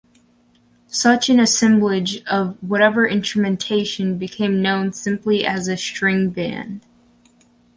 Such an assemblage, of whatever instrumentation, became known simply as a string band.